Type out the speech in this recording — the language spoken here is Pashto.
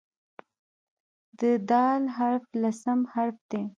د "د" حرف لسم حرف دی.